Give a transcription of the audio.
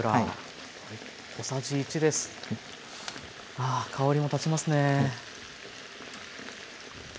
あ香りも立ちますね。